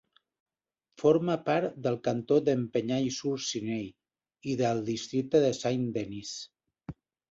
Forma part del cantó d'Épinay-sur-Seine i del districte de Saint-Denis.